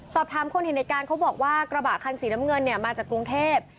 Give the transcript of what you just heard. สอบถามคนเห็นในการเขาบอกว่ากระบะคันสีน้ำเงินเนี่ยมาจากกรุงเทพ